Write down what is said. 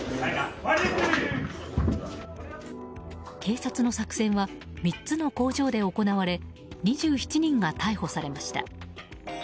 警察の作戦は３つの工場で行われ２７人が逮捕されました。